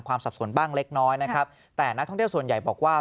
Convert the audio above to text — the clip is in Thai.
สับสนบ้างเล็กน้อยนะครับแต่นักท่องเที่ยวส่วนใหญ่บอกว่า